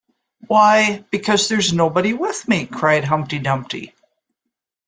‘Why, because there’s nobody with me!’ cried Humpty Dumpty.